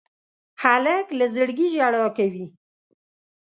هلک له زړګي ژړا کوي.